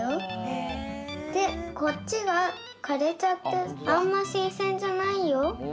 でこっちはかれちゃってあんましんせんじゃないよ。